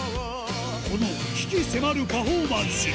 この鬼気迫るパフォーマンスに